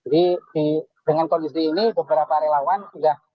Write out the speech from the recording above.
jadi dengan kondisi ini beberapa relawan sudah